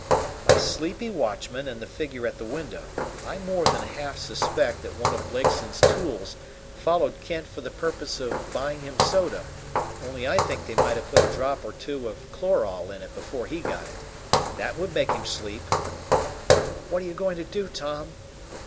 "My sleepy watchman and the figure at the window. I more than half suspect that one of Blakeson's tools followed Kent for the purpose of buying him soda, only I think they might have put a drop or two of chloral in it before he got it. That would make him sleep." "What are you going to do, Tom?"